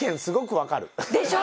でしょ！